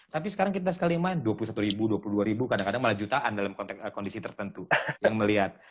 tapi sekarang kita sekalian dua puluh satu ribu dua puluh dua ribu kadang kadang malah jutaan dalam kondisi tertentu yang melihat